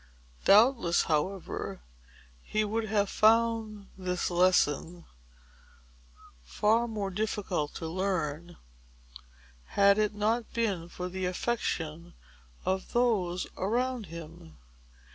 Doubtless, however, he would have found this lesson far more difficult to learn, had it not been for the affection of those around him.